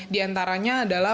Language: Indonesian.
di antaranya adalah